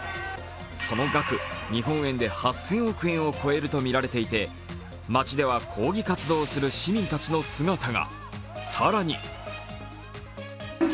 その額、日本円で８０００億円を超えるとみられていて、街では、抗議活動をする市民たちの姿が。